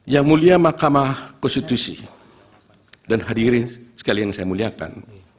yang mulia mahkamah konstitusi dan hadirin sekalian saya muliakan